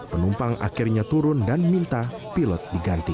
penumpang akhirnya turun dan minta pilot diganti